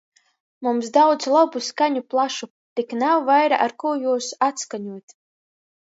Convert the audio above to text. Mums daudz lobu skaņu plašu, tik nav vaira ar kū jūs atskaņuot.